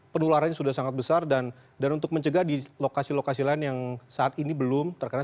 penularannya sudah sangat besar dan untuk mencegah di lokasi lokasi lain yang saat ini belum terkena